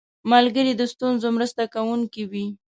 ملګری د ستونزو مرسته کوونکی وي